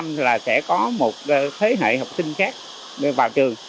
nhà trường vẫn tiếp tục tại vì mỗi năm sẽ có một thế hệ học sinh khác vào trường